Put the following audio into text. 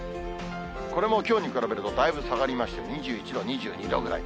これもきょうに比べるとだいぶ下がりまして、２１度、２２度ぐらい。